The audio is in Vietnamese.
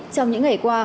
trong những ngày qua